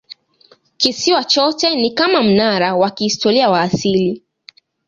Kisiwa chote ni kama mnara wa kihistoria wa asili.